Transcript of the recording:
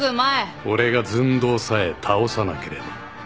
俺がずんどうさえ倒さなければ。